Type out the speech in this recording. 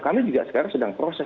kami juga sekarang sedang proses